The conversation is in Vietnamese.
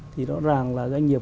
thì rõ ràng là doanh nghiệp